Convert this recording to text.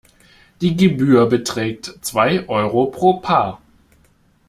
Die Gebühr beträgt zwei Euro pro Paar.